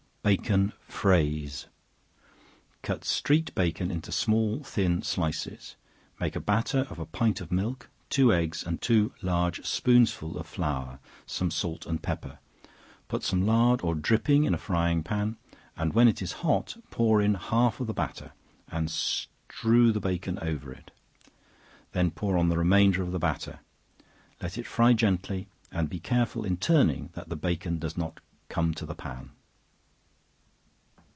Bacon Fraise. Cut streaked bacon in small thin slices, make a batter of a pint of milk, two eggs, and two large spoonsful of flour; some salt and pepper; put some lard or dripping in a frying pan, and when it is hot pour in half of the batter, and strew the bacon over it; then pour on the remainder of the batter; let it fry gently, and be careful in turning, that the bacon does not come to the pan.